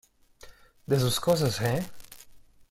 de sus cosas, ¿ eh?